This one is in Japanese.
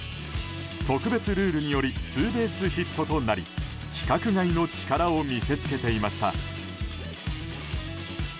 特別ルールによりツーベースヒットとなり規格外の力を見せつけていました。